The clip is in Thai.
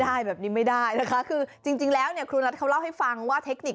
อารมณ์ดี